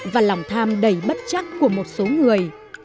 và lòng tham đầy bất chắc của một số người